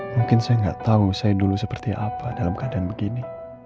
mungkin saya nggak tahu saya dulu seperti apa dalam keadaan begini